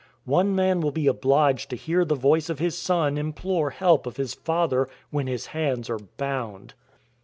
One man will be obliged to hear the voice of his son implore help of his father, when his hands are bound.